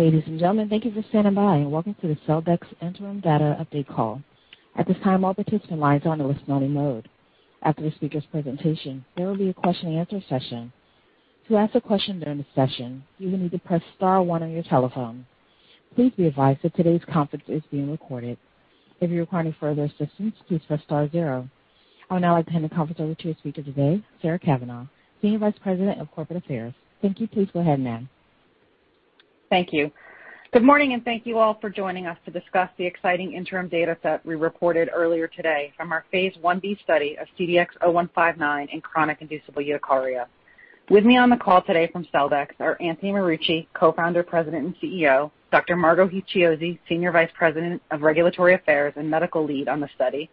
Ladies and gentlemen, thank you for standing by and welcome to the Celldex Interim Data Update Call. At this time all our participants in line are in listening mode. After the speaker presentation their will be a question and answer session. To ask a question during this session, you will need to press star one on your telephonne. Please be adviced the call today's is being recorded. If you require any further assistance, please press star zero. I would now like to hand the conference over to your speaker today, Sarah Cavanaugh, Senior Vice President of Corporate Affairs. Thank you. Please go ahead, ma'am. Thank you. Good morning, thank you all for joining us to discuss the exciting interim data set we reported earlier today from our phase I-B study of CDX-0159 in chronic inducible urticaria. With me on the call today from Celldex are Anthony Marucci, Co-founder, President, and CEO, Dr. Margo Heath-Chiozzi, Senior Vice President of Regulatory Affairs and medical lead on the study,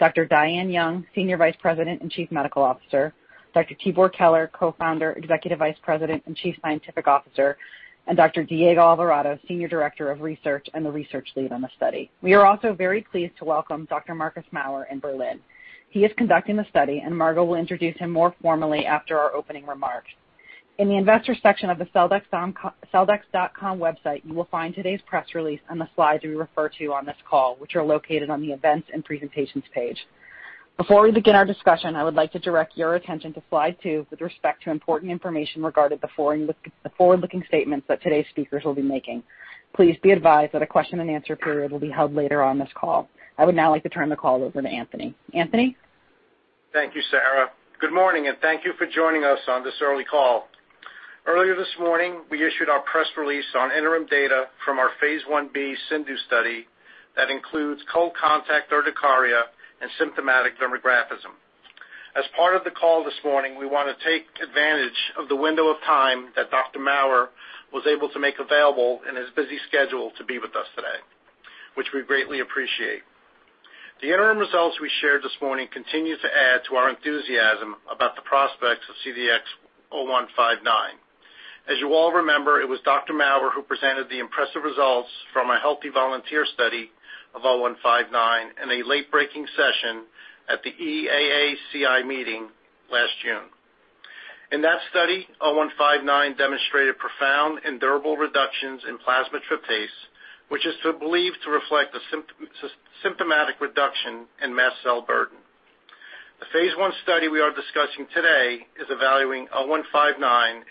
Dr. Diane Young, Senior Vice President and Chief Medical Officer, Dr. Tibor Keler, Co-founder, Executive Vice President, and Chief Scientific Officer, and Dr. Diego Alvarado, Senior Director of Research and the research lead on the study. We are also very pleased to welcome Dr. Marcus Maurer in Berlin. He is conducting the study, Margo will introduce him more formally after our opening remarks. In the investor section of the celldex.com website, you will find today's press release and the slides we refer to on this call, which are located on the Events and Presentations page. Before we begin our discussion, I would like to direct your attention to slide two with respect to important information regarding the forward-looking statements that today's speakers will be making. Please be advised that a question and answer period will be held later on this call. I would now like to turn the call over to Anthony. Anthony? Thank you, Sarah. Good morning, thank you for joining us on this early call. Earlier this morning, we issued our press release on interim data from our Phase I-B INDU study that includes cold contact urticaria and symptomatic dermographism. As part of the call this morning, we want to take advantage of the window of time that Dr. Maurer was able to make available in his busy schedule to be with us today, which we greatly appreciate. The interim results we shared this morning continue to add to our enthusiasm about the prospects of CDX-0159. As you all remember, it was Dr. Maurer who presented the impressive results from a healthy volunteer study of 0159 in a late-breaking session at the EAACI meeting last June. In that study, 0159 demonstrated profound and durable reductions in plasma tryptase, which is believed to reflect a symptomatic reduction in mast cell burden. The phase I study we are discussing today is evaluating 0159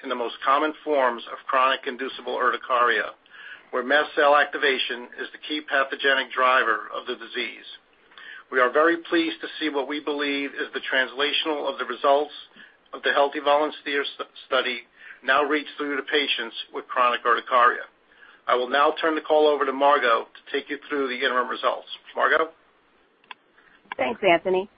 in the most common forms of chronic inducible urticaria, where mast cell activation is the key pathogenic driver of the disease. We are very pleased to see what we believe is the translation of the results of the healthy volunteer study now reach through to patients with chronic urticaria. I will now turn the call over to Margo to take you through the interim results. Margo? Thanks, Anthony.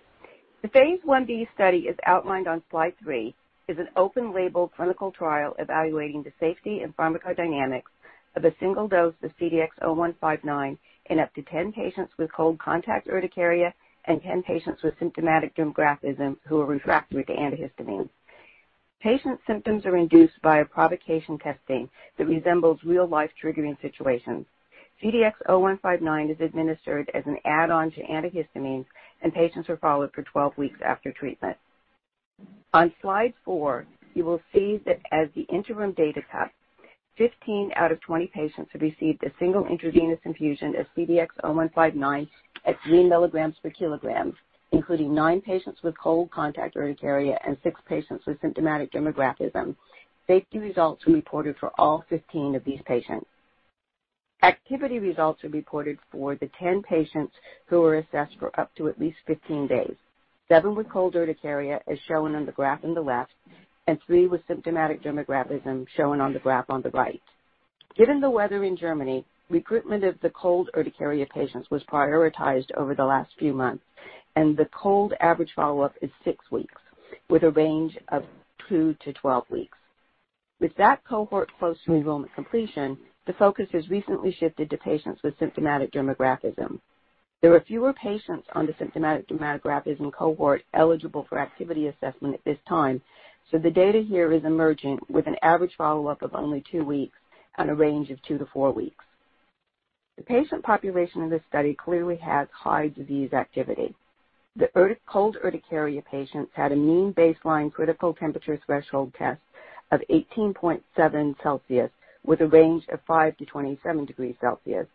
The Phase I-B study, as outlined on slide three, is an open-label clinical trial evaluating the safety and pharmacodynamics of a single dose of CDX-0159 in up to 10 patients with cold contact urticaria and 10 patients with symptomatic dermographism who are refractory to antihistamines. Patient symptoms are induced by a provocation testing that resembles real-life triggering situations. CDX-0159 is administered as an add-on to antihistamines, and patients are followed for 12 weeks after treatment. On slide four, you will see that as the interim data set, 15 out of 20 patients have received a single intravenous infusion of CDX-0159 at three milligrams per kilogram, including nine patients with cold contact urticaria and six patients with symptomatic dermographism. Safety results were reported for all 15 of these patients. Activity results were reported for the 10 patients who were assessed for up to at least 15 days. Seven with cold urticaria, as shown on the graph on the left, and three with symptomatic dermographism, shown on the graph on the right. Given the weather in Germany, recruitment of the cold urticaria patients was prioritized over the last few months, and the cold average follow-up is six weeks with a range of two to 12 weeks. With that cohort close to enrollment completion, the focus has recently shifted to patients with symptomatic dermographism. There are fewer patients on the symptomatic dermographism cohort eligible for activity assessment at this time, so the data here is emerging with an average follow-up of only two weeks on a range of two to four weeks. The patient population in this study clearly has high disease activity. The cold urticaria patients had a mean baseline critical temperature threshold test of 18.7 degrees Celsius, with a range of 5-27 degrees Celsius,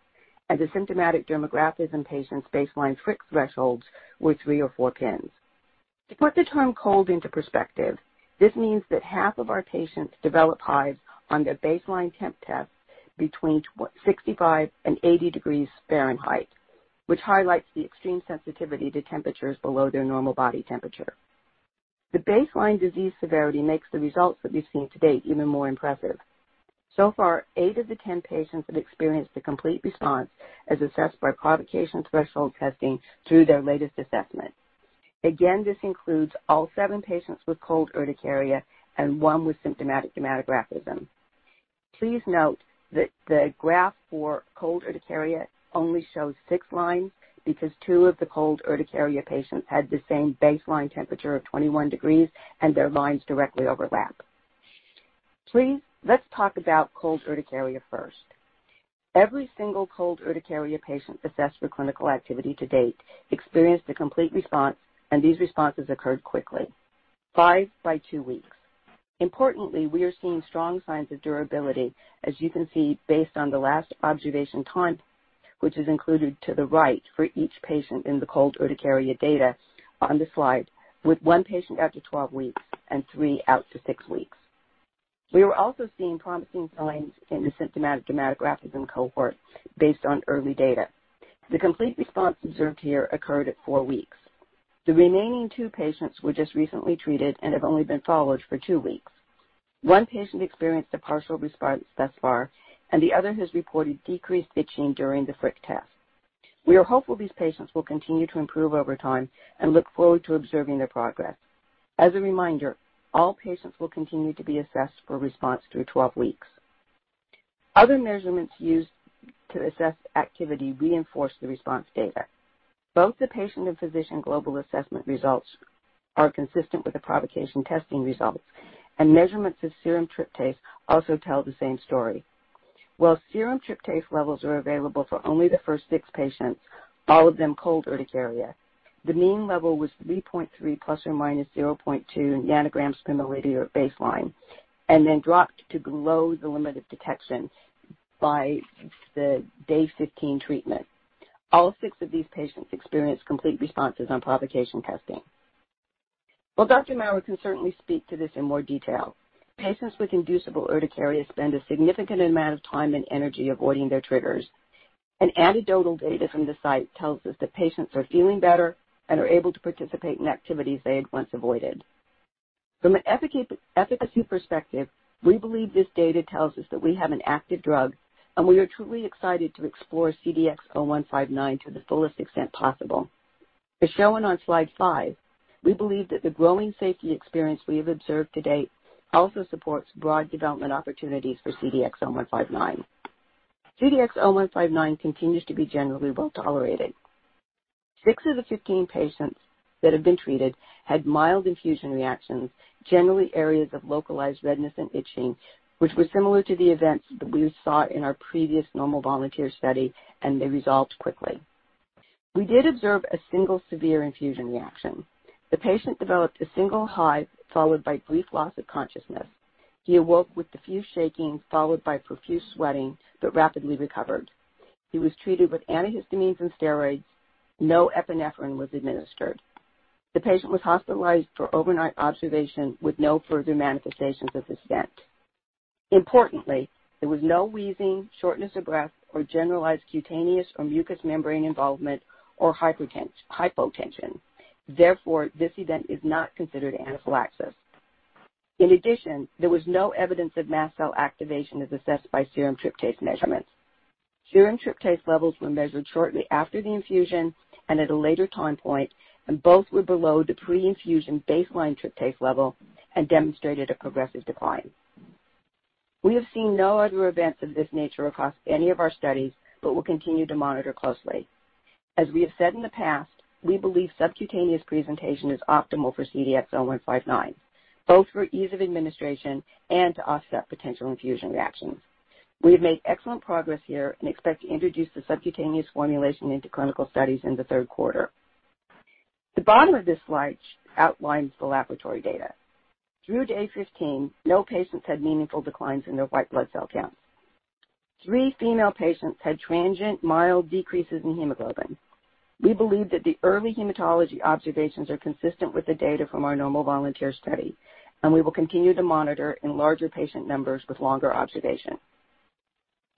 and the symptomatic dermographism patients' baseline prick thresholds were three or four prins. To put the term cold into perspective, this means that half of our patients develop hives on their baseline temp test between 65 and 80 degrees Fahrenheit, which highlights the extreme sensitivity to temperatures below their normal body temperature. The baseline disease severity makes the results that we've seen to date even more impressive. So far, eight of the 10 patients have experienced a complete response as assessed by provocation threshold testing through their latest assessment. Again, this includes all seven patients with cold urticaria and one with symptomatic dermographism. Please note that the graph for cold urticaria only shows six lines because two of the cold urticaria patients had the same baseline temperature of 21 degrees and their lines directly overlap. Please, let's talk about cold urticaria first. Every single cold urticaria patient assessed for clinical activity to date experienced a complete response, and these responses occurred quickly, five by two weeks. Importantly, we are seeing strong signs of durability, as you can see based on the last observation time, which is included to the right for each patient in the cold urticaria data on the slide, with one patient out to 12 weeks and three out to six weeks. We are also seeing promising signs in the symptomatic dermographism cohort based on early data. The complete response observed here occurred at four weeks. The remaining two patients were just recently treated and have only been followed for two weeks. One patient experienced a partial response thus far, and the other has reported decreased itching during the prick test. We are hopeful these patients will continue to improve over time and look forward to observing their progress. As a reminder, all patients will continue to be assessed for response through 12 weeks. Other measurements used to assess activity reinforce the response data. Both the patient and physician global assessment results are consistent with the provocation testing results, and measurements of serum tryptase also tell the same story. While serum tryptase levels are available for only the first six patients, all of them cold urticaria, the mean level was 3.3 ± 0.2 nanograms per milliliter at baseline, and then dropped to below the limit of detection by the day 15 treatment. All six of these patients experienced complete responses on provocation testing. While Dr. Maurer can certainly speak to this in more detail, patients with inducible urticaria spend a significant amount of time and energy avoiding their triggers, and anecdotal data from the site tells us that patients are feeling better and are able to participate in activities they had once avoided. From an efficacy perspective, we believe this data tells us that we have an active drug, and we are truly excited to explore CDX-0159 to the fullest extent possible. As shown on slide five, we believe that the growing safety experience we have observed to date also supports broad development opportunities for CDX-0159. CDX-0159 continues to be generally well-tolerated. Six of the 15 patients that have been treated had mild infusion-related reactions, generally areas of localized redness and itching, which was similar to the events that we saw in our previous normal volunteer study, and they resolved quickly. We did observe a single severe infusion reaction. The patient developed a single hive followed by brief loss of consciousness. He awoke with diffuse shaking followed by profuse sweating but rapidly recovered. He was treated with antihistamines and steroids. No epinephrine was administered. The patient was hospitalized for overnight observation with no further manifestations of this event. Importantly, there was no wheezing, shortness of breath, or generalized cutaneous or mucous membrane involvement or hypotension. Therefore, this event is not considered anaphylaxis. In addition, there was no evidence of mast cell activation as assessed by serum tryptase measurements. Serum tryptase levels were measured shortly after the infusion and at a later time point, and both were below the pre-infusion baseline tryptase level and demonstrated a progressive decline. We have seen no other events of this nature across any of our studies but will continue to monitor closely. As we have said in the past, we believe subcutaneous presentation is optimal for CDX-0159, both for ease of administration and to offset potential infusion reactions. We have made excellent progress here and expect to introduce the subcutaneous formulation into clinical studies in the third quarter. The bottom of this slide outlines the laboratory data. Through day 15, no patients had meaningful declines in their white blood cell count. Three female patients had transient mild decreases in hemoglobin. We believe that the early hematology observations are consistent with the data from our normal volunteer study, and we will continue to monitor in larger patient numbers with longer observation.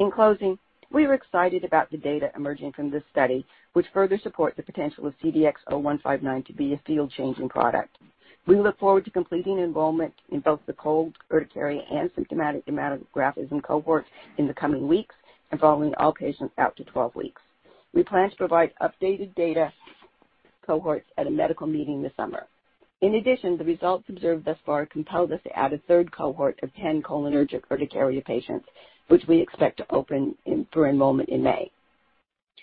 In closing, we are excited about the data emerging from this study, which further support the potential of CDX-0159 to be a field-changing product. We look forward to completing enrollment in both the cold urticaria and symptomatic dermographism cohort in the coming weeks, involving all patients out to 12 weeks. We plan to provide updated data cohorts at a medical meeting this summer. In addition, the results observed thus far compelled us to add a third cohort of 10 cholinergic urticaria patients, which we expect to open for enrollment in May.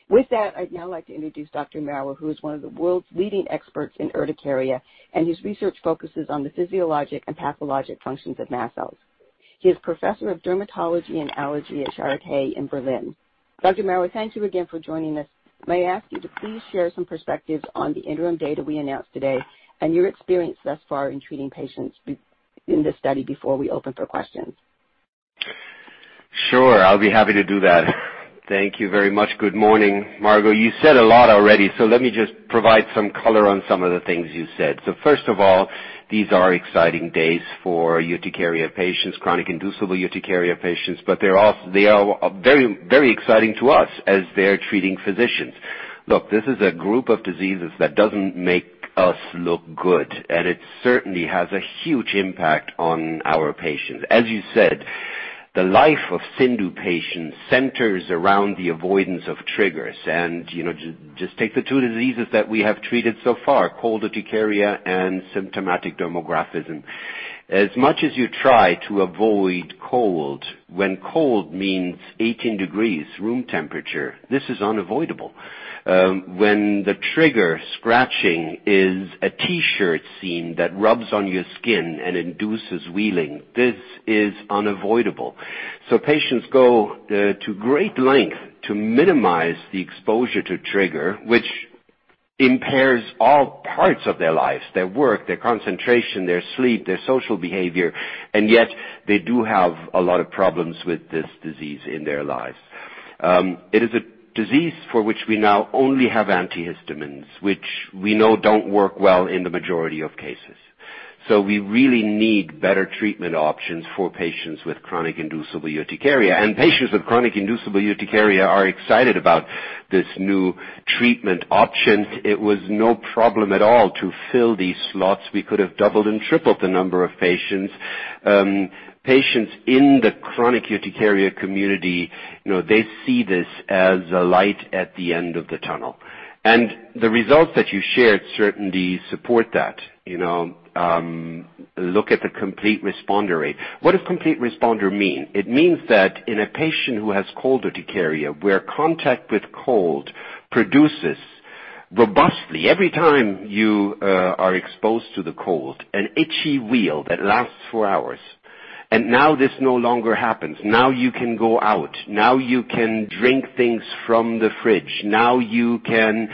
With that, I'd now like to introduce Dr. Maurer, who is one of the world's leading experts in urticaria, and his research focuses on the physiologic and pathologic functions of mast cells. He is professor of Dermatology and Allergy at Charité in Berlin. Dr. Maurer, thank you again for joining us. May I ask you to please share some perspectives on the interim data we announced today and your experience thus far in treating patients in this study before we open for questions? Sure. I'll be happy to do that. Thank you very much. Good morning. Margo, you said a lot already, let me just provide some color on some of the things you said. First of all, these are exciting days for urticaria patients, chronic inducible urticaria patients, but they are very exciting to us as their treating physicians. Look, this is a group of diseases that doesn't make us look good, and it certainly has a huge impact on our patients. As you said, the life of CIndU patients centers around the avoidance of triggers and just take the two diseases that we have treated so far, cold urticaria and symptomatic dermographism. As much as you try to avoid cold, when cold means 18 degrees, room temperature, this is unavoidable. When the trigger scratching is a T-shirt seam that rubs on your skin and induces whealing, this is unavoidable. Patients go to great length to minimize the exposure to trigger, which impairs all parts of their lives, their work, their concentration, their sleep, their social behavior, and yet they do have a lot of problems with this disease in their lives. It is a disease for which we now only have antihistamines, which we know don't work well in the majority of cases. We really need better treatment options for patients with chronic inducible urticaria. Patients with chronic inducible urticaria are excited about this new treatment option. It was no problem at all to fill these slots. We could have doubled and tripled the number of patients. Patients in the chronic urticaria community, they see this as a light at the end of the tunnel. The results that you shared certainly support that. Look at the complete responder rate. What does complete responder mean? It means that in a patient who has cold urticaria, where contact with cold produces, robustly every time you are exposed to the cold, an itchy wheal that lasts for hours. Now this no longer happens. Now you can go out, now you can drink things from the fridge. Now you can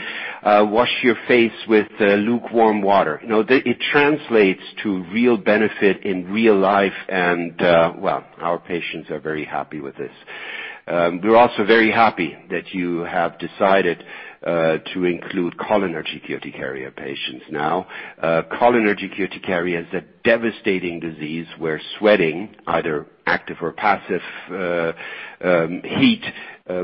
wash your face with lukewarm water. It translates to real benefit in real life, and, well, our patients are very happy with this. We're also very happy that you have decided to include cholinergic urticaria patients now. Cholinergic urticaria is a devastating disease where sweating, either active or passive heat,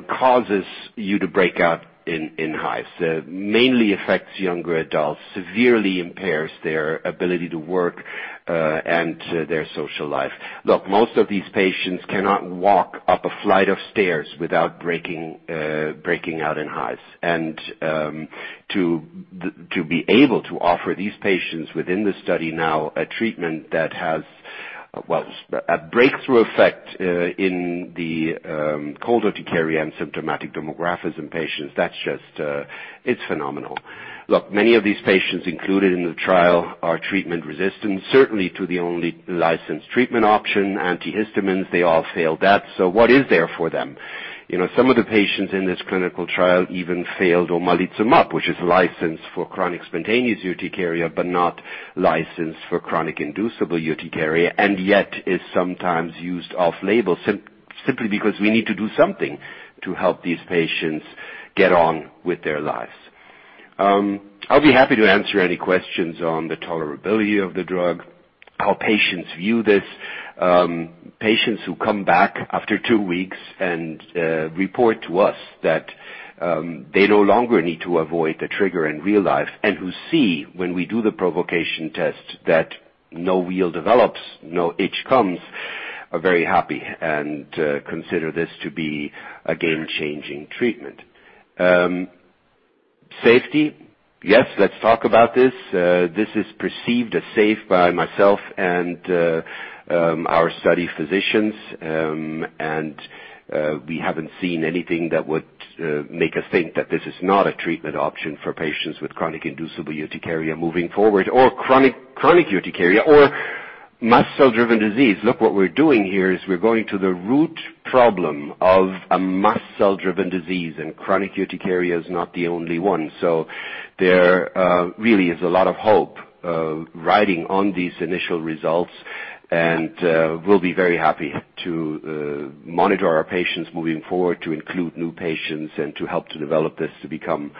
causes you to break out in hives. Mainly affects younger adults, severely impairs their ability to work, and their social life. Look, most of these patients cannot walk up a flight of stairs without breaking out in hives. To be able to offer these patients within the study now a treatment that has a breakthrough effect in the cold urticaria and symptomatic dermographism patients, it's phenomenal. Look, many of these patients included in the trial are treatment-resistant, certainly to the only licensed treatment option, antihistamines. They all failed that. What is there for them? Some of the patients in this clinical trial even failed omalizumab, which is licensed for chronic spontaneous urticaria, but not licensed for chronic inducible urticaria, and yet is sometimes used off-label, simply because we need to do something to help these patients get on with their lives. I'll be happy to answer any questions on the tolerability of the drug, how patients view this. Patients who come back after two weeks and report to us that they no longer need to avoid the trigger in real life, and who see when we do the provocation test that no wheal develops, no itch comes, are very happy and consider this to be a game-changing treatment. Safety. Yes, let's talk about this. This is perceived as safe by myself and our study physicians. We haven't seen anything that would make us think that this is not a treatment option for patients with chronic inducible urticaria moving forward, or chronic urticaria, or mast cell-driven disease. What we're doing here is we're going to the root problem of a mast cell-driven disease, and chronic urticaria is not the only one. There really is a lot of hope riding on these initial results. We'll be very happy to monitor our patients moving forward, to include new patients and to help to develop this to become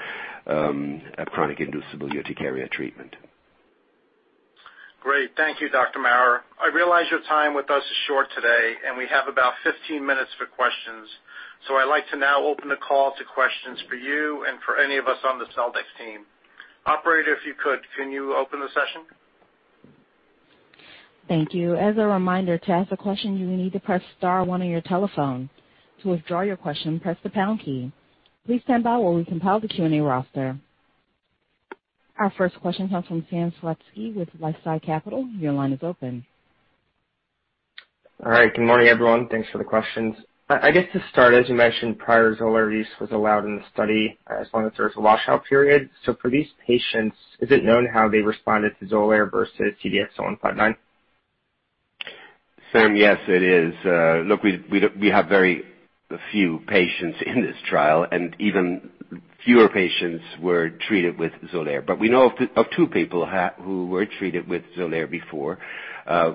a chronic inducible urticaria treatment. Great. Thank you, Dr. Maurer. I realize your time with us is short today. We have about 15 minutes for questions. I'd like to now open the call to questions for you and for any of us on the Celldex team. Operator, if you could, can you open the session? Thank you. As a reminder, to ask a question, you will need to press star one on your telephone. To withdraw your question, press the pound key. Please stand by while we compile the Q&A roster. Our first question comes from Sam Slutsky with LifeSci Capital. Your line is open. All right. Good morning, everyone. Thanks for the questions. I guess to start, as you mentioned, prior XOLAIR use was allowed in the study as long as there was a washout period. For these patients, is it known how they responded to XOLAIR versus CDX-0159? Sam. Yes, it is. Look, we have very few patients in this trial, and even fewer patients were treated with XOLAIR. We know of two people who were treated with XOLAIR before.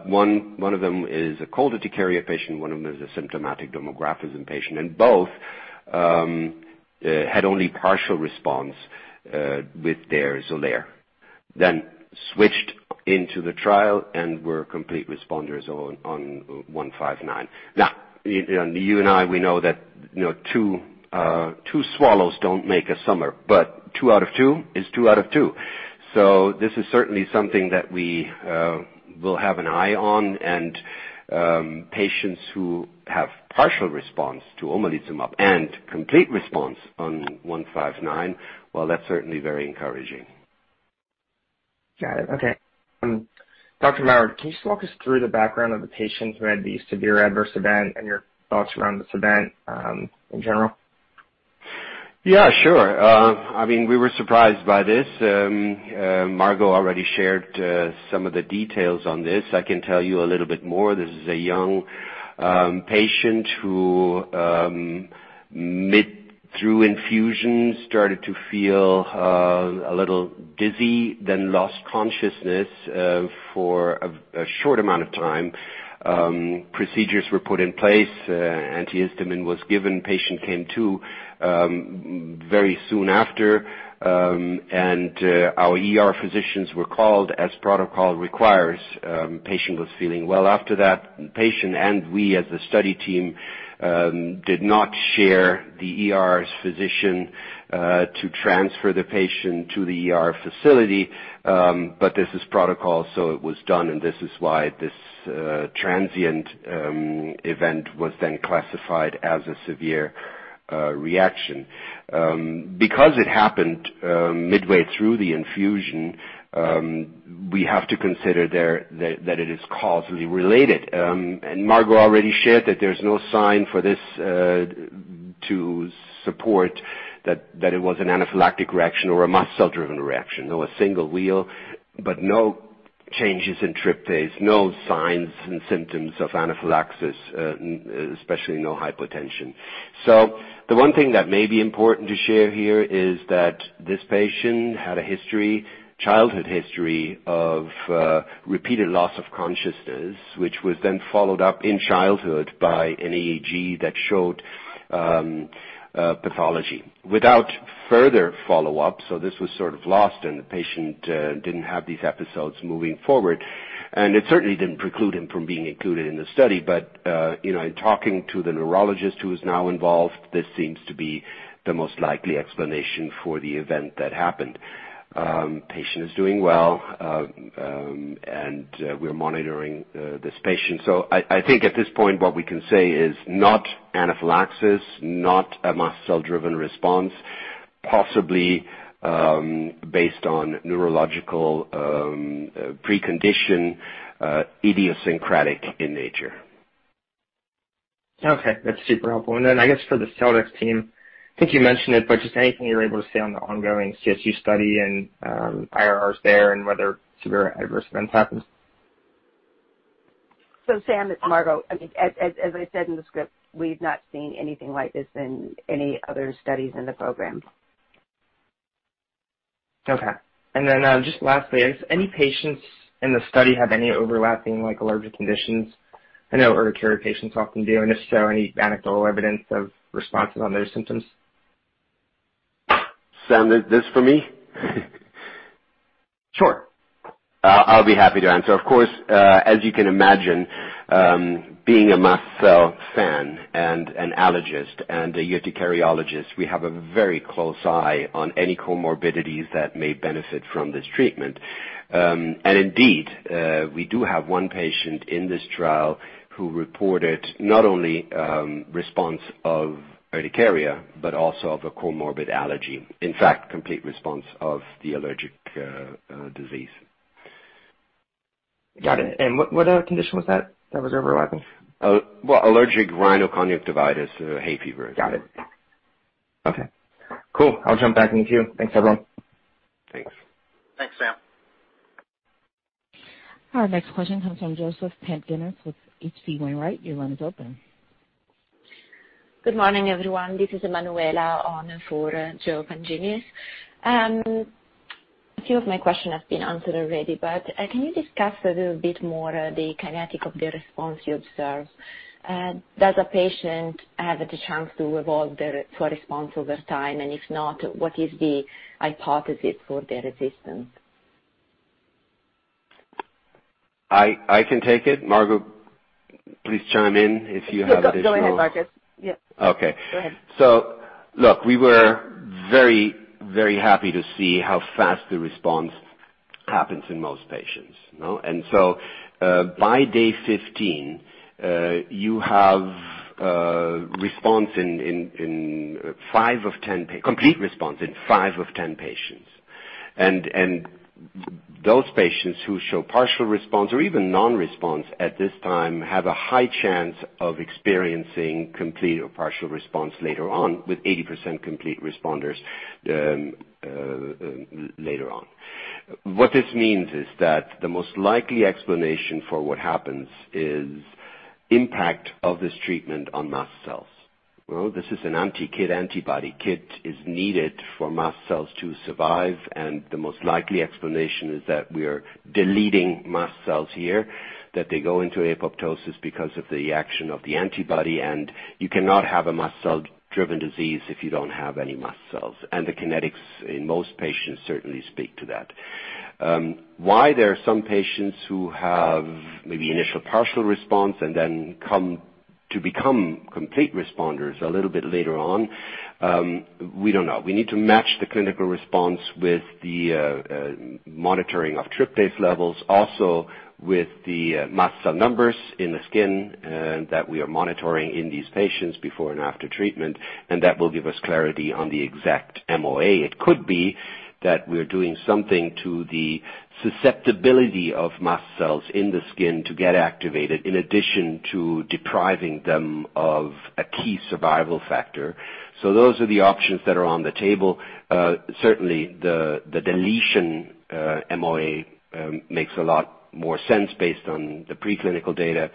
One of them is a cold urticaria patient, one of them is a symptomatic dermographism patient, both had only partial response with their XOLAIR, then switched into the trial and were complete responders on 159. You and I, we know that two swallows don't make a summer, two out of two is two out of two. This is certainly something that we will have an eye on, patients who have partial response to omalizumab and complete response on 159, well, that's certainly very encouraging. Got it. Dr. Maurer, can you just walk us through the background of the patient who had the severe adverse event and your thoughts around this event in general? Yeah, sure. We were surprised by this. Margo already shared some of the details on this. I can tell you a little bit more. This is a young patient who, mid through infusion, started to feel a little dizzy, then lost consciousness for a short amount of time. Procedures were put in place, antihistamine was given, patient came to very soon after. Our ER physicians were called, as protocol requires. Patient was feeling well after that. The patient and we, as the study team, did not share the ER's physician to transfer the patient to the ER facility. This is protocol, so it was done, and this is why this transient event was then classified as a severe reaction. It happened midway through the infusion, we have to consider that it is causally related. Margo already shared that there's no sign for this to support that it was an anaphylactic reaction or a mast cell-driven reaction. There was single wheal, no changes in tryptase, no signs and symptoms of anaphylaxis, especially no hypotension. The one thing that may be important to share here is that this patient had a childhood history of repeated loss of consciousness, which was then followed up in childhood by an EEG that showed pathology. Without further follow-up, this was sort of lost, and the patient didn't have these episodes moving forward, and it certainly didn't preclude him from being included in the study. In talking to the neurologist who is now involved, this seems to be the most likely explanation for the event that happened. Patient is doing well, and we're monitoring this patient. I think at this point, what we can say is not anaphylaxis, not a mast cell-driven response, possibly based on neurological precondition, idiosyncratic in nature. Okay, that's super helpful. I guess for the Celldex team, I think you mentioned it, but just anything you're able to say on the ongoing CSU study and IRRs there and whether severe adverse events happened. Sam, it's Margo. As I said in the script, we've not seen anything like this in any other studies in the program. Okay. Just lastly, has any patients in the study have any overlapping allergic conditions? I know urticaria patients often do. If so, any anecdotal evidence of responses on those symptoms? Sam, is this for me? Sure. I'll be happy to answer. Of course, as you can imagine, being a mast cell fan and an allergist and a urticariologist, we have a very close eye on any comorbidities that may benefit from this treatment. And indeed, we do have one patient in this trial who reported not only response of urticaria, but also of a comorbid allergy. In fact, complete response of the allergic disease. Got it. What condition was that was overlapping? Well, allergic rhinoconjunctivitis. Hay fever. Got it. Okay. Cool. I'll jump back in queue. Thanks, everyone. Thanks. Thanks, Sam. Our next question comes from Joseph Pantginis with H.C. Wainwright. Your line is open. Good morning, everyone. This is Emanuela on for Joseph Pantginis. A few of my question has been answered already, can you discuss a little bit more the kinetic of the response you observe? Does a patient have the chance to evolve their response over time? If not, what is the hypothesis for the resistance? I can take it. Margo, please chime in if you have additional. Go ahead, Marcus. Yeah. Okay. Go ahead. Look, we were very, very happy to see how fast the response happens in most patients. By day 15, you have complete response in five of 10 patients. Those patients who show partial response or even non-response at this time have a high chance of experiencing complete or partial response later on, with 80% complete responders later on. What this means is that the most likely explanation for what happens is impact of this treatment on mast cells. This is an anti-KIT antibody. KIT is needed for mast cells to survive, and the most likely explanation is that we're deleting mast cells here, that they go into apoptosis because of the action of the antibody, and you cannot have a mast cell-driven disease if you don't have any mast cells. The kinetics in most patients certainly speak to that. Why there are some patients who have maybe initial partial response and then come to become complete responders a little bit later on, we don't know. We need to match the clinical response with the monitoring of tryptase levels, also with the mast cell numbers in the skin that we are monitoring in these patients before and after treatment, and that will give us clarity on the exact MOA. It could be that we're doing something to the susceptibility of mast cells in the skin to get activated, in addition to depriving them of a key survival factor. Those are the options that are on the table. Certainly, the deletion MOA makes a lot more sense based on the preclinical data,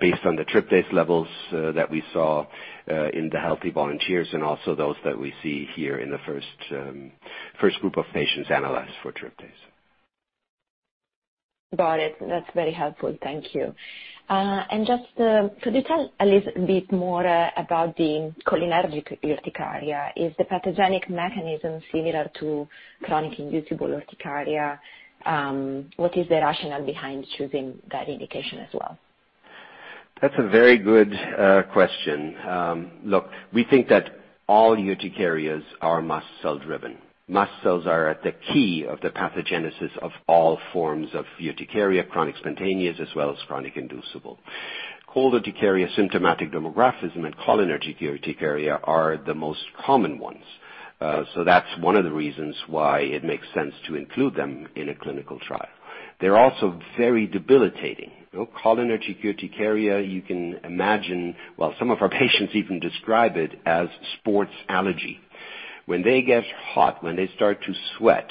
based on the tryptase levels that we saw in the healthy volunteers and also those that we see here in the first group of patients analyzed for tryptase. Got it. That's very helpful. Thank you. Just could you tell a little bit more about the cholinergic urticaria? Is the pathogenic mechanism similar to chronic inducible urticaria? What is the rationale behind choosing that indication as well? That's a very good question. Look, we think that all urticarias are mast cell-driven. Mast cells are at the key of the pathogenesis of all forms of urticaria, chronic spontaneous as well as chronic inducible. Cold urticaria, symptomatic dermographism, and cholinergic urticaria are the most common ones. That's one of the reasons why it makes sense to include them in a clinical trial. They're also very debilitating. Cholinergic urticaria, you can imagine, well, some of our patients even describe it as sports allergy. When they get hot, when they start to sweat,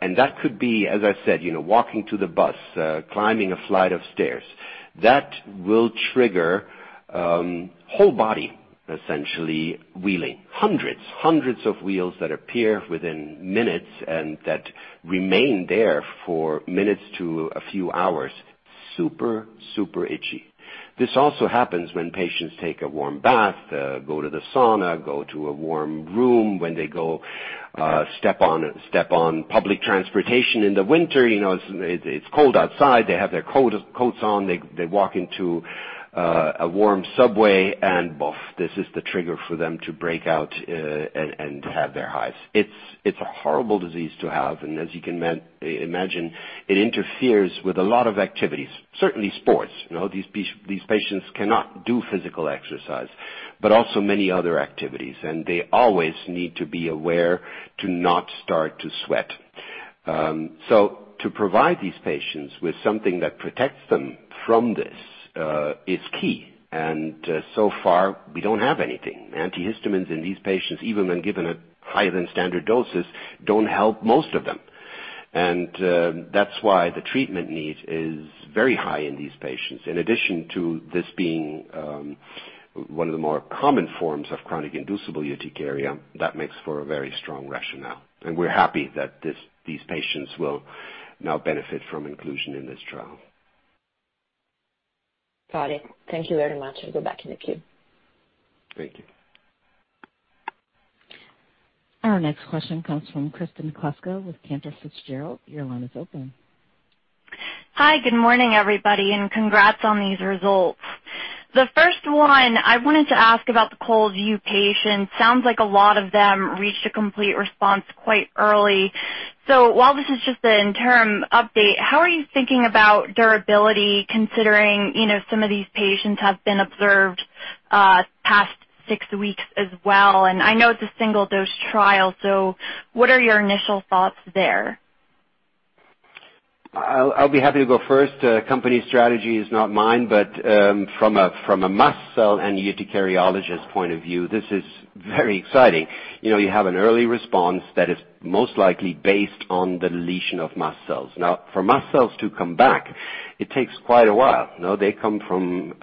and that could be, as I said, walking to the bus, climbing a flight of stairs. That will trigger whole body essentially whealng. Hundreds of wheals that appear within minutes, and that remain there for minutes to a few hours. Super, super itchy. This also happens when patients take a warm bath, go to the sauna, go to a warm room. When they go step on public transportation in the winter, it's cold outside, they have their coats on, they walk into a warm subway and then, this is the trigger for them to break out and have their hives. It's a horrible disease to have and as you can imagine, it interferes with a lot of activities, certainly sports. These patients cannot do physical exercise, but also many other activities, and they always need to be aware to not start to sweat. To provide these patients with something that protects them from this, is key, and so far we don't have anything. Antihistamines in these patients, even when given at higher than standard doses, don't help most of them. That's why the treatment need is very high in these patients. In addition to this being one of the more common forms of chronic inducible urticaria, that makes for a very strong rationale, and we're happy that these patients will now benefit from inclusion in this trial. Got it. Thank you very much. I'll go back in the queue. Thank you. Our next question comes from Kristen Kluska with Cantor Fitzgerald. Your line is open. Hi, good morning, everybody. Congrats on these results. The first one I wanted to ask about the Cold U patient, sounds like a lot of them reached a complete response quite early. While this is just the interim update, how are you thinking about durability considering some of these patients have been observed past six weeks as well, and I know it's a single-dose trial, so what are your initial thoughts there? I'll be happy to go first. Company strategy is not mine, but from a mast cell and urticariologist point of view, this is very exciting. You have an early response that is most likely based on the deletion of mast cells. For mast cells to come back, it takes quite a while. They come from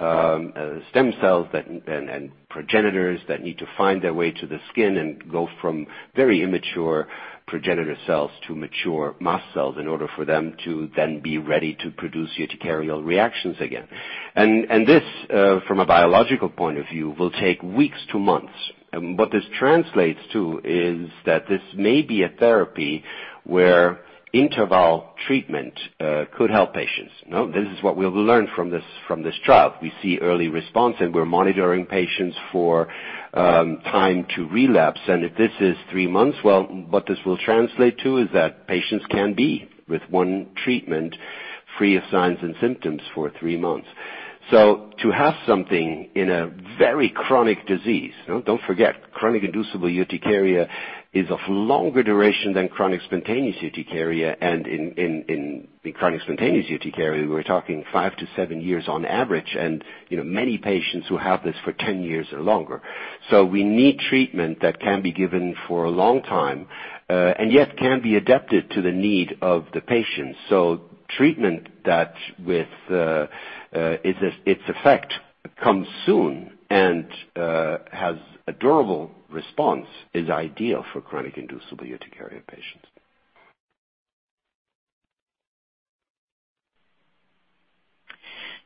stem cells and progenitors that need to find their way to the skin and go from very immature progenitor cells to mature mast cells in order for them to then be ready to produce urticarial reactions again. This, from a biological point of view, will take weeks to months. What this translates to is that this may be a therapy where interval treatment could help patients. This is what we'll learn from this trial. We see early response. We're monitoring patients for time to relapse. If this is three months, what this will translate to is that patients can be with one treatment free of signs and symptoms for three months. To have something in a very chronic disease. Don't forget, chronic inducible urticaria is of longer duration than chronic spontaneous urticaria. In chronic spontaneous urticaria, we're talking five to seven years on average. Many patients will have this for 10 years or longer. We need treatment that can be given for a long time. Yet can be adapted to the need of the patient. Treatment that with its effect comes soon and has a durable response, is ideal for chronic inducible urticaria patients.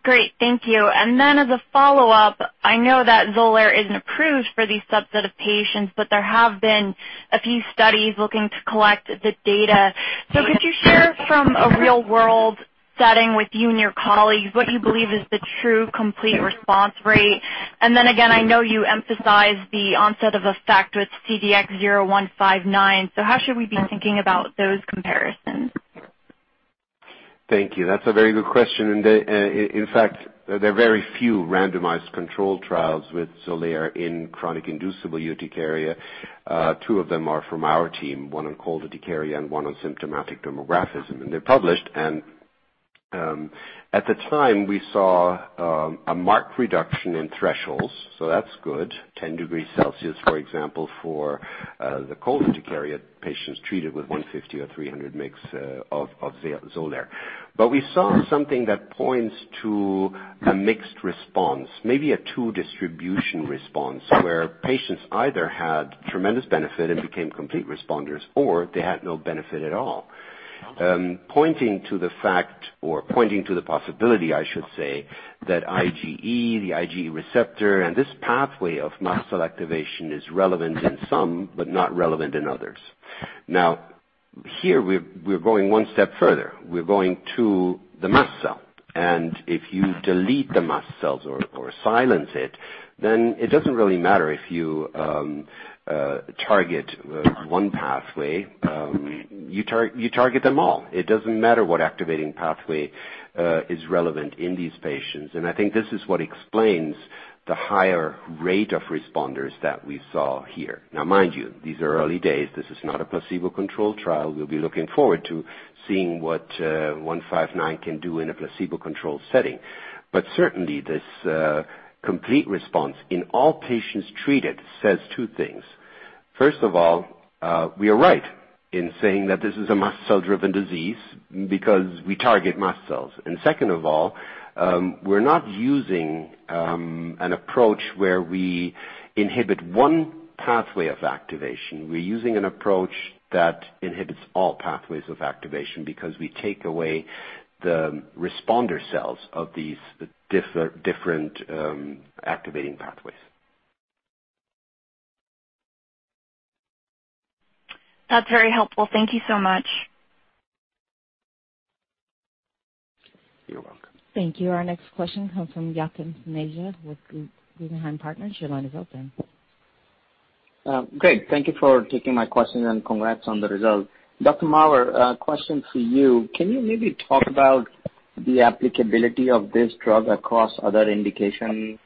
Great. Thank you. As a follow-up, I know that XOLAIR isn't approved for these subset of patients, but there have been a few studies looking to collect the data. Could you share from a real-world setting with you and your colleagues what you believe is the true complete response rate? Again, I know you emphasized the onset of effect with CDX-0159. How should we be thinking about those comparisons? Thank you. That's a very good question. In fact, there are very few randomized control trials with XOLAIR in chronic inducible urticaria. Two of them are from our team, one on cold urticaria and one on symptomatic dermographism, and they're published. At the time, we saw a marked reduction in thresholds, so that's good. 10 degrees Celsius, for example, for the cold urticaria patients treated with 150 or 300 mix of XOLAIR. We saw something that points to a mixed response, maybe a two-distribution response, where patients either had tremendous benefit and became complete responders, or they had no benefit at all. Pointing to the fact, or pointing to the possibility, I should say, that IgE, the IgE receptor, and this pathway of mast cell activation is relevant in some, but not relevant in others. Now, here we're going one step further. We're going to the mast cell, and if you delete the mast cells or silence it, then it doesn't really matter if you target one pathway. You target them all. It doesn't matter what activating pathway is relevant in these patients. I think this is what explains the higher rate of responders that we saw here. Mind you, these are early days. This is not a placebo-controlled trial. We'll be looking forward to seeing what CDX-0159 can do in a placebo-controlled setting. Certainly, this complete response in all patients treated says two things. First of all, we are right in saying that this is a mast cell-driven disease because we target mast cells. Second of all, we're not using an approach where we inhibit one pathway of activation. We're using an approach that inhibits all pathways of activation because we take away the responder cells of these different activating pathways. That's very helpful. Thank you so much. You're welcome. Thank you. Our next question comes from Yatin Suneja with Guggenheim Partners. Your line is open. Great. Thank you for taking my question, and congrats on the result. Dr. Maurer, a question for you. Can you maybe talk about the applicability of this drug across other indications?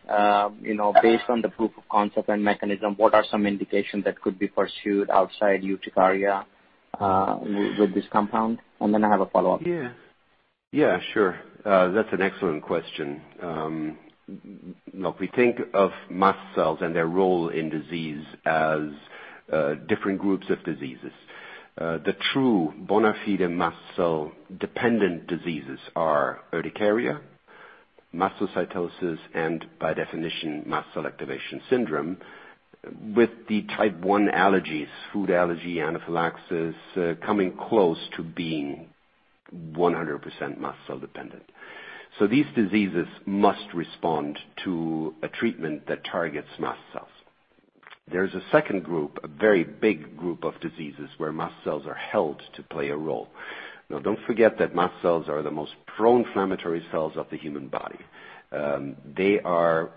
Based on the proof of concept and mechanism, what are some indications that could be pursued outside urticaria with this compound? I have a follow-up. Yeah. Sure. That's an excellent question. Look, we think of mast cells and their role in disease as different groups of diseases. The true bona fide mast cell-dependent diseases are urticaria, mastocytosis, and by definition, mast cell activation syndrome, with the type 1 allergies, food allergy, anaphylaxis, coming close to being 100% mast cell-dependent. These diseases must respond to a treatment that targets mast cells. There's a second group, a very big group of diseases where mast cells are held to play a role. Now, don't forget that mast cells are the most pro-inflammatory cells of the human body. They are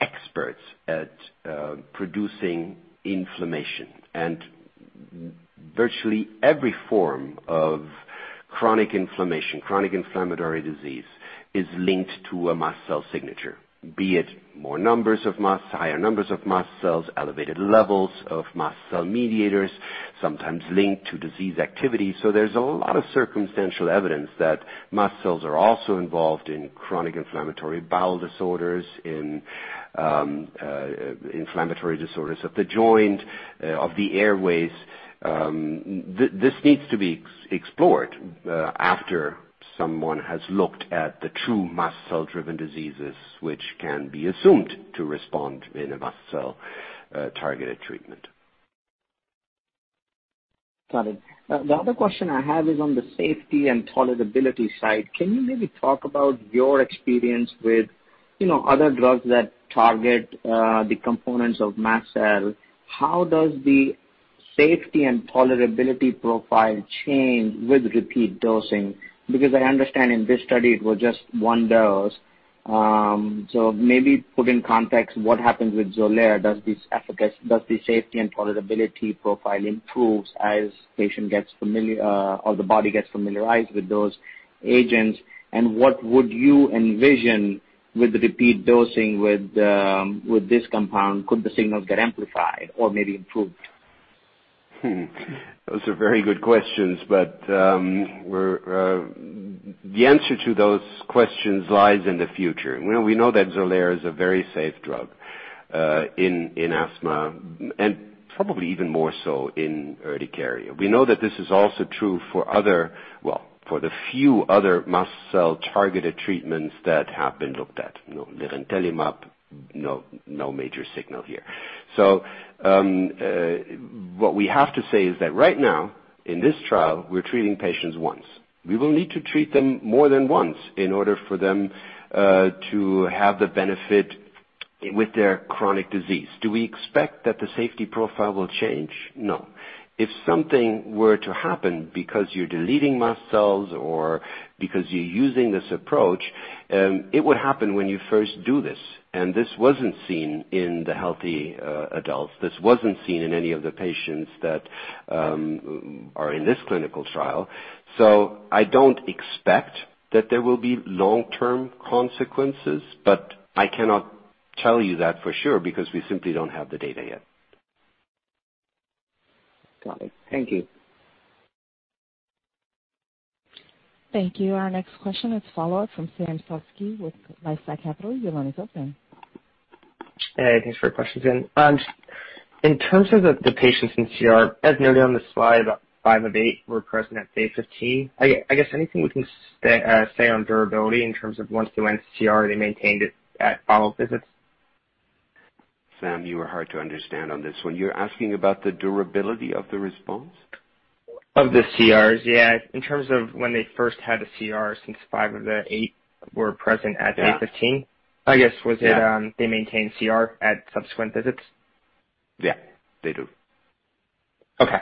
experts at producing inflammation, and virtually every form of chronic inflammation, chronic inflammatory disease, is linked to a mast cell signature. Be it more numbers of mast, higher numbers of mast cells, elevated levels of mast cell mediators, sometimes linked to disease activity. There's a lot of circumstantial evidence that mast cells are also involved in chronic inflammatory bowel disorders, in inflammatory disorders of the joint, of the airways. This needs to be explored after someone has looked at the true mast cell-driven diseases, which can be assumed to respond in a mast cell-targeted treatment. Got it. The other question I have is on the safety and tolerability side. Can you maybe talk about your experience with other drugs that target the components of mast cell? How does the safety and tolerability profile change with repeat dosing? I understand in this study it was just one dose. Maybe put in context what happens with XOLAIR. Does the safety and tolerability profile improve as the patient gets familiar, or the body gets familiarized with those agents? What would you envision with the repeat dosing with this compound? Could the signals get amplified or maybe improved? Those are very good questions. The answer to those questions lies in the future. We know that XOLAIR is a very safe drug in asthma, and probably even more so in urticaria. We know that this is also true for the few other mast cell-targeted treatments that have been looked at. Mezentemup, no major signal here. What we have to say is that right now in this trial, we're treating patients once. We will need to treat them more than once in order for them to have the benefit with their chronic disease. Do we expect that the safety profile will change? No. If something were to happen because you're deleting mast cells or because you're using this approach, it would happen when you first do this. This wasn't seen in the healthy adults. This wasn't seen in any of the patients that are in this clinical trial. I don't expect that there will be long-term consequences, but I cannot tell you that for sure because we simply don't have the data yet. Got it. Thank you. Thank you. Our next question is a follow-up from Sam Slutsky with LifeSci Capital. Your line is open. Hey, thanks for the questions. In terms of the patients in CR, as noted on the slide, about five of the eight were present at day 15. I guess anything we can say on durability in terms of once they went CR, they maintained it at follow-up visits? Sam, you are hard to understand on this one. You're asking about the durability of the response? Of the CRs, yeah. In terms of when they first had a CR, since five of the eight were present at day 15. Yeah. I guess, was it- Yeah They maintained CR at subsequent visits? Yeah. They do. Okay.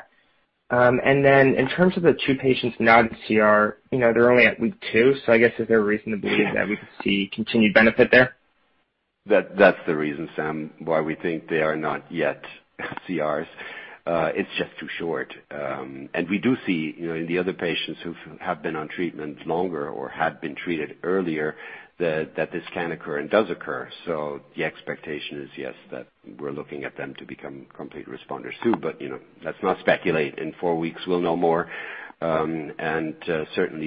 In terms of the two patients not in CR, they're only at week two, I guess is there a reason to believe that we could see continued benefit there? That's the reason, Sam, why we think they are not yet CRs. It's just too short. We do see in the other patients who have been on treatment longer or had been treated earlier, that this can occur and does occur. The expectation is, yes, that we're looking at them to become complete responders too. Let's not speculate. In four weeks, we'll know more. Certainly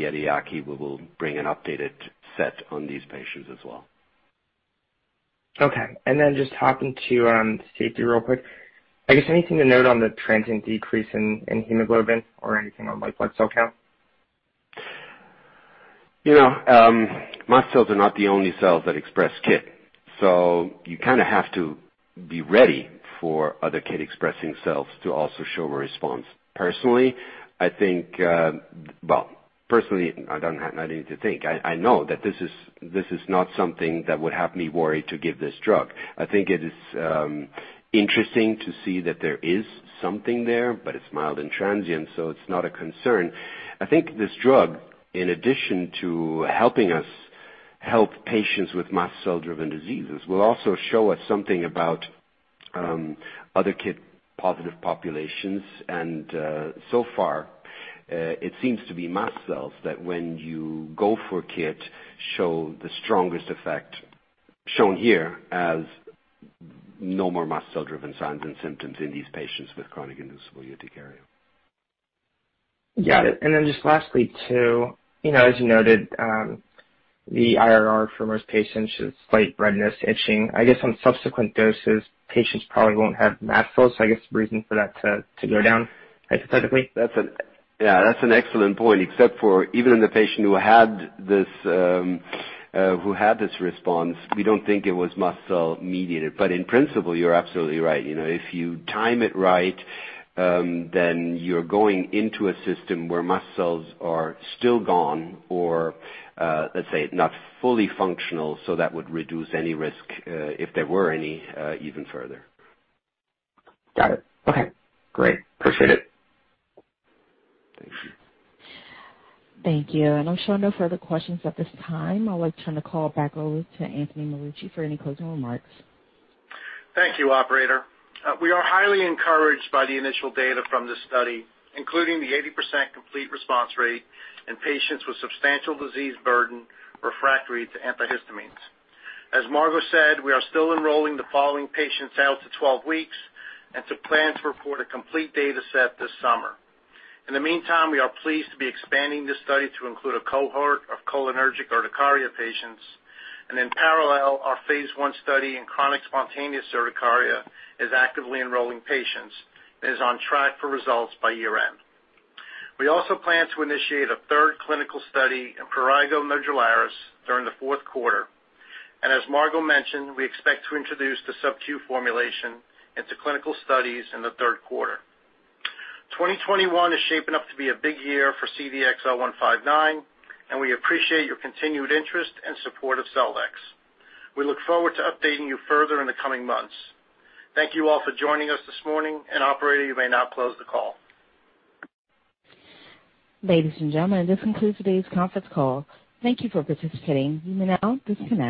at EAACI, we will bring an updated set on these patients as well. Okay. Just hopping to safety real quick. I guess anything to note on the transient decrease in hemoglobin or anything on white blood cell count? Mast cells are not the only cells that express KIT, so you kind of have to be ready for other KIT-expressing cells to also show a response. Personally, I don't need to think. I know that this is not something that would have me worried to give this drug. I think it is interesting to see that there is something there, but it's mild and transient, so it's not a concern. I think this drug, in addition to helping us help patients with mast cell-driven diseases, will also show us something about other KIT positive populations. And so far, it seems to be mast cells that when you go for KIT, show the strongest effect, shown here as no more mast cell-driven signs and symptoms in these patients with chronic inducible urticaria. Got it. Just lastly, too, as you noted, the IRR for most patients is slight redness, itching. I guess on subsequent doses, patients probably won't have mast cells, so I guess the reason for that to go down, hypothetically? Yeah, that's an excellent point, except for even in the patient who had this response, we don't think it was mast cell-mediated. In principle, you're absolutely right. If you time it right, you're going into a system where mast cells are still gone or, let's say, not fully functional, that would reduce any risk, if there were any, even further. Got it. Okay. Great. Appreciate it. Thank you. Thank you. I'm showing no further questions at this time. I'll return the call back over to Anthony Marucci for any closing remarks. Thank you, operator. We are highly encouraged by the initial data from this study, including the 80% complete response rate in patients with substantial disease burden refractory to antihistamines. As Margo said, we are still enrolling the following patients out to 12 weeks and to plan to report a complete data set this summer. In parallel, we are pleased to be expanding this study to include a cohort of cholinergic urticaria patients. Our phase I study in chronic spontaneous urticaria is actively enrolling patients and is on track for results by year-end. We also plan to initiate a third clinical study in prurigo nodularis during the fourth quarter. As Margo mentioned, we expect to introduce the subcutaneous formulation into clinical studies in the third quarter. 2021 is shaping up to be a big year for CDX-0159, and we appreciate your continued interest and support of Celldex. We look forward to updating you further in the coming months. Thank you all for joining us this morning. Operator, you may now close the call. Ladies and gentlemen, this concludes today's conference call. Thank you for participating. You may now disconnect.